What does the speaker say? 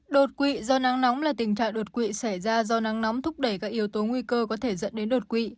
đột quỵ do nắng nóng là tình trạng đột quỵ xảy ra do nắng nóng thúc đẩy các yếu tố nguy cơ có thể dẫn đến đột quỵ